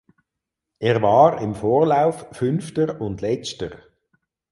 Er war im Vorlauf Fünfter und Letzter.